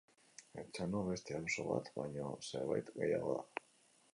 Etxano beste auzo bat baino zerbait gehiago da.